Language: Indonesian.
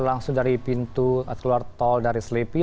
langsung dari pintu keluar tol dari selipi